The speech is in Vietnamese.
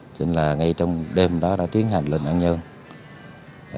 nghĩa là ngay trong đêm đó đã tiến hành linh hạnh nhân